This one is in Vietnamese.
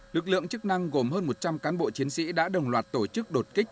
lực lượng chức năng gồm hơn một trăm linh cán bộ chiến sĩ đã đồng loạt tổ chức đột kích